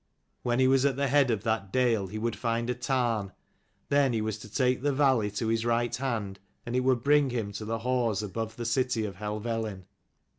When he was at the head of that dale he would find a tarn : then he was to take the valley to his right hand, and it would bring him to the hause above the city of Helvellyn.